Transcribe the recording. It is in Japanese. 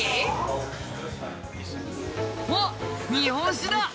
あっ日本酒だ！